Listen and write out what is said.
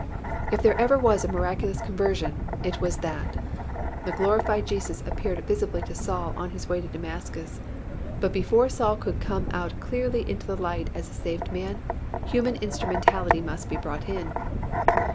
If there ever was a miraculous conversion, it was that. The glorified Jesus appeared visibly to Saul on his way to Damascus, but before Saul could come out clearly into the light as a saved man, human instrumentality must be brought in.